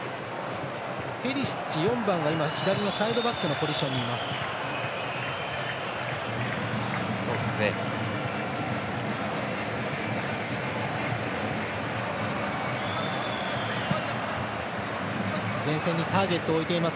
ペリシッチが左のサイドバックのポジションにいます。